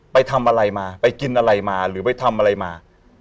ไปทำอะไรมาไปกินอะไรมาหรือไปทำอะไรมา